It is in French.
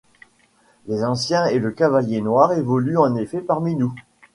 Les Anciens et le Cavalier Noir évoluent en effet parmi nous.